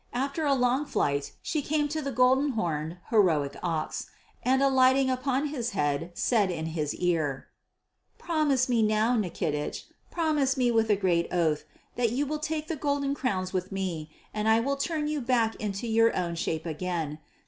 After a long flight she came to the golden horned heroic ox, and alighting upon his head said in his ear: "Promise me now, Nikitich, promise me with a great oath that you will take the golden crowns with me, and I will turn you back into your own shape again.